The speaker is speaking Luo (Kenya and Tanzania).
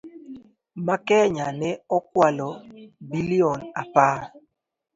Ma Kenya ne okwalo billion apar.